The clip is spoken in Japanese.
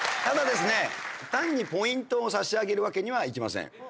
ただですね単にポイントを差し上げるわけにはいきません。